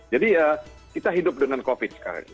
jadi ya kita hidup dengan covid sekarang